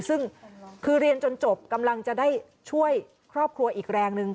ซึ่งคือเรียนจนจบกำลังจะได้ช่วยครอบครัวอีกแรงหนึ่ง